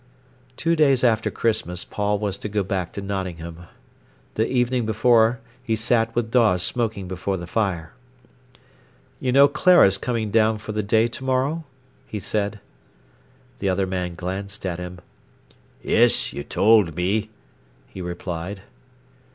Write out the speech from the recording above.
Two days after Christmas Paul was to go back to Nottingham. The evening before he sat with Dawes smoking before the fire. "You know Clara's coming down for the day to morrow?" he said. The other man glanced at him. "Yes, you told me," he replied.